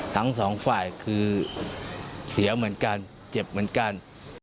ทั้งสองฝ่ายคือเสียเหมือนกันเจ็บเหมือนกัน